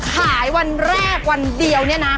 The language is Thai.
วันแรกวันเดียวเนี่ยนะ